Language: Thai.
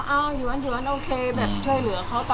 คือทำอะไรก็เอาอยู่ทั้งตอนโอเคแบบช่วยเหลือเขาตลอด